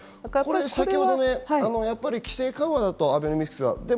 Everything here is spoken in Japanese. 先ほど規制緩和だと、アベノミクスは。